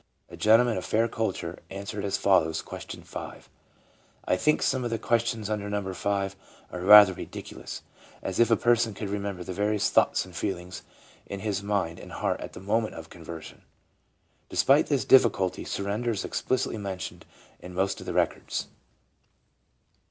A gentleman of fair culture answered as follows question five: "I think some of the questions under No. 5 are rather ridiculous, as if a person could remember the various thoughts and feelings in his mind and heart at the moment of conversion !'' Despite this difficulty, surrender is explicitly mentioned in most of the records.